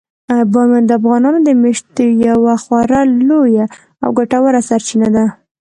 بامیان د افغانانو د معیشت یوه خورا لویه او ګټوره سرچینه ده.